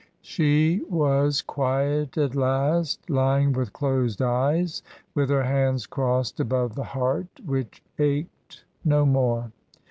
She was quiet at last, lying with closed eyes, with her hands crossed above the heart which ached no more.